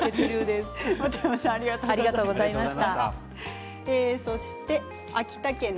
本山さんありがとうございました。